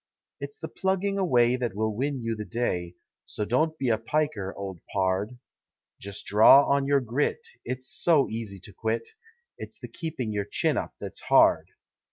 It's the plugging away that will win you the day, So don't be a piker, old pard; Just draw on your grit; it's so easy to quit It's the keeping your chin up that's hard.